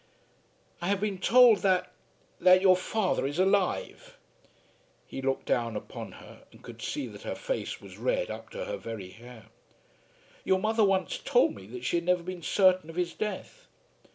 "I have been told that that your father is alive." He looked down upon her and could see that her face was red up to her very hair. "Your mother once told me that she had never been certain of his death."